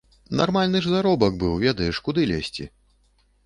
Нармальны ж заробак быў, ведаеш, куды лезці.